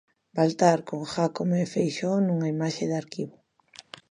Baltar con Jácome e Feixóo nunha imaxe de arquivo.